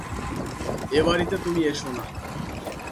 এ বাড়িতে তুমি এসো না।